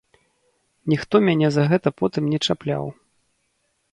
Ніхто мяне за гэта потым не чапляў.